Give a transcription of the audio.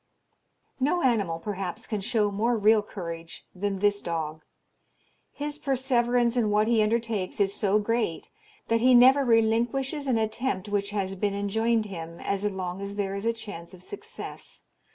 No animal, perhaps, can show more real courage than this dog. His perseverance in what he undertakes is so great, that he never relinquishes an attempt which has been enjoined him as long as there is a chance of success.